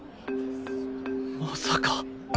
まさか！